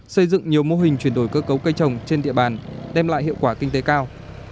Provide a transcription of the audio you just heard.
xây dựng nhiều mô hình chuyển đổi cơ cấu cây trồng trên địa bàn đem lại hiệu quả kinh tế cao